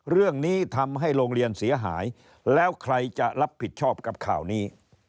เรื่องนี้ทำให้โรงเรียนเสียหายแล้วใครจะรับผิดชอบกับข่าวนี้